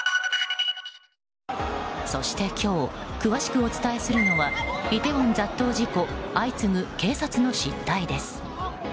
そして今日詳しくお伝えするのはイテウォン雑踏事故相次ぐ警察の失態です。